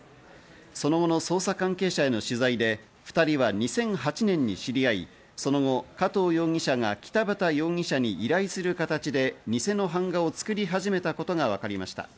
その後の捜査関係者への取材で２人は２００８年に知り合い、その後、加藤容疑者が北畑容疑者に依頼する形で偽の版画を作り始めたことが分かりました。